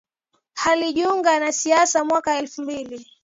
Alijiunga na siasa mwaka elfu mbili